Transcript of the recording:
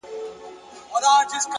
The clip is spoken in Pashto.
هره شېبه د انتخاب ځواک لري!